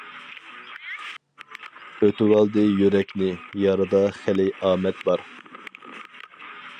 ئۇتۇۋالدى يۈرەكنى، ياردا خېلى ئامەت بار.